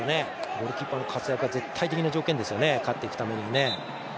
ゴールキーパーの活躍は絶対的な条件ですからね、勝っていくためにはね。